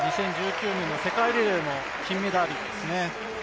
２０１９年の世界リレーの金メダリストですね。